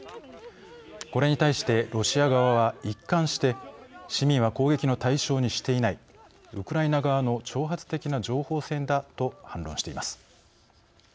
これに対してロシア側は、一貫して市民は攻撃の対象にしていないウクライナ側の挑発的な情報戦だと反論しています。